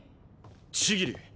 千切！